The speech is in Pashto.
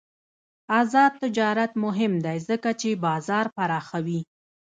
آزاد تجارت مهم دی ځکه چې بازار پراخوي.